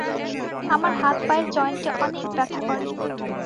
আমার হাত পায়ের জয়েন্টে অনেক ব্যথা করে।